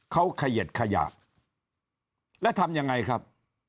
เขาเขยิดขยะแล้วทำยังไงครับ